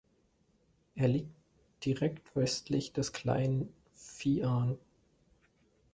Er liegt direkt westlich des Kleinen Viharn.